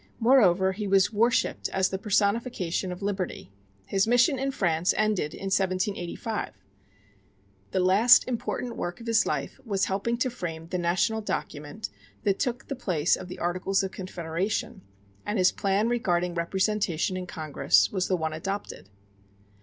Moreover, he was worshiped as the personification of liberty. His mission in France ended in 1785. The last important work of his life was helping to frame the national document that took the place of the Articles of Confederation; and his plan regarding representation in Congress was the one adopted.